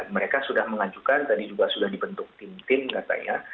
mereka sudah mengajukan tadi juga sudah dibentuk tim tim katanya